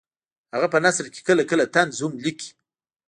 هغه په نثر کې کله کله طنز هم لیکي